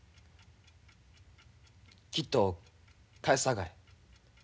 きっと返すさかい。